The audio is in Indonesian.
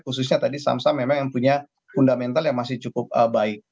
khususnya tadi saham saham memang yang punya fundamental yang masih cukup baik